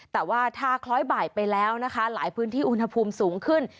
แต่ว่าถ้าคล้อยบ่ายไปแล้วนะคะหลายพื้นที่อุณหภูมิสูงขึ้น